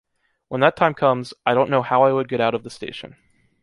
when that time comes, I don’t know how I would get out of the station